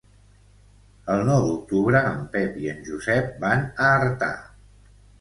El nou d'octubre en Pep i en Josep van a Artà.